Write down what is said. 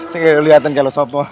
sekarang lihatin kalau siapa